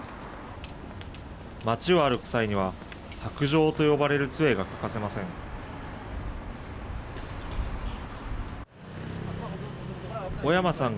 街を歩く際には白杖と呼ばれるつえが欠かせません。